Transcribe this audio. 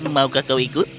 maukah kau ikut